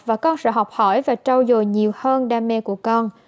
và con sẽ học hỏi và trao dồi nhiều hơn đam mê của con